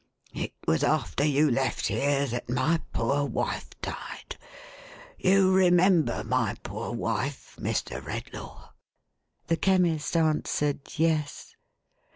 It was after you left here that my poor wife died. You remember my poor wife, Mr. Redlaw ?" The Chemist answered yes.